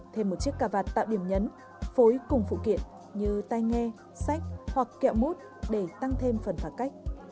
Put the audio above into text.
thêm một chiếc cà vạt tạo điểm nhấn phối cùng phụ kiện như tay nghe sách hoặc kẹo mút để tăng thêm phần cách